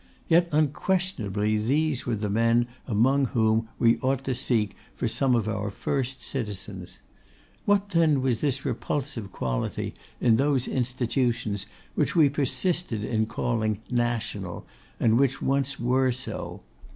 Yet, unquestionably, these were the men among whom we ought to seek for some of our first citizens. What, then, was this repulsive quality in those institutions which we persisted in calling national, and which once were so?